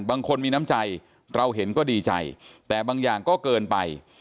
บางคนมีน้ำใจเราเห็นก็ดีใจแต่บางอย่างก็เกินไป